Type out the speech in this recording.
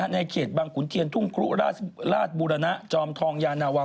ในเขตบังขุนเทียนทุ่งครุราชบุรณะจอมทองยานาวา